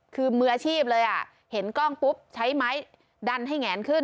คือมืออาชีพเลยอ่ะเห็นกล้องปุ๊บใช้ไม้ดันให้แงนขึ้น